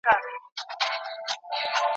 حقیقت به مو شاهد وي او د حق په مخکي دواړه